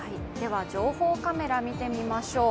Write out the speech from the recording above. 情報カメラを見てみましょう。